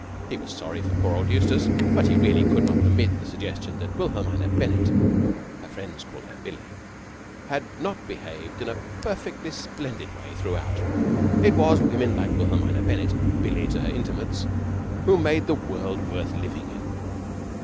He was sorry for poor old Eustace, but he really could not permit the suggestion that Wilhelmina Bennett her friends called her Billie had not behaved in a perfectly splendid way throughout. It was women like Wilhelmina Bennett Billie to her intimates who made the world worth living in.